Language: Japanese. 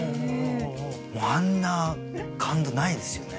もうあんな感動ないですよね。